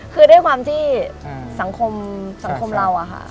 คือด้วยความที่สังคมเราค่ะ